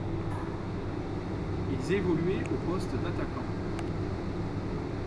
Il évoluait au poste d'attaquant.